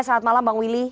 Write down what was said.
selamat malam bang willy